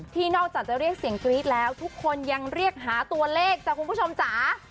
นอกจากจะเรียกเสียงกรี๊ดแล้วทุกคนยังเรียกหาตัวเลขจ้ะคุณผู้ชมจ๋า